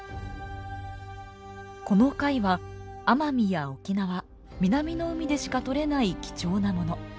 この貝は奄美や沖縄南の海でしか採れない貴重なもの。